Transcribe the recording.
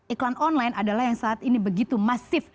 iklan online adalah yang saat ini begitu masif